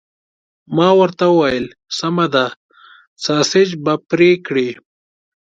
ما ورته وویل: سمه ده، ساسیج به پرې کړي؟